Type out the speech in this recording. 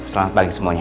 selamat pagi semuanya